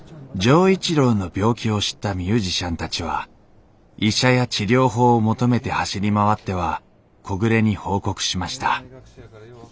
錠一郎の病気を知ったミュージシャンたちは医者や治療法を求めて走り回っては木暮に報告しました。